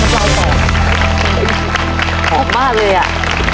หอมมากเลยอะ